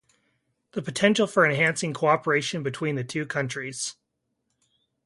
The potential for enhancing cooperation between the two countries.